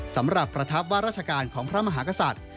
สำหรับประทับว่าราชการของพระมหากษัตริย์